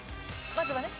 まずはね。